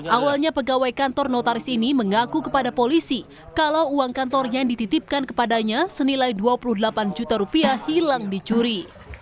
awalnya pegawai kantor notaris ini mengaku kepada polisi kalau uang kantornya yang dititipkan kepadanya senilai dua puluh delapan juta rupiah hilang dicuri